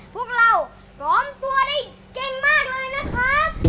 พวกเราพร้อมตัวได้เก่งมากเลยนะครับ